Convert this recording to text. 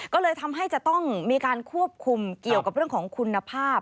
ก็เลยทำให้จะต้องมีการควบคุมเกี่ยวกับเรื่องของคุณภาพ